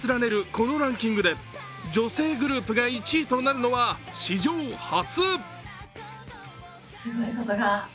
このランキングで女性グループが１位となるのは史上初！